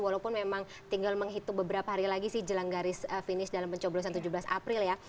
walaupun memang tinggal menghitung beberapa hari lagi sih jelang garis finish dalam pencoblosan tujuh belas april ya